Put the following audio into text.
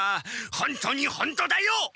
ほんとにほんとだよ！